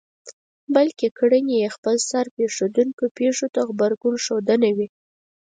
بلکې کړنې يې خپلسر پېښېدونکو پېښو ته غبرګون ښودنه وي.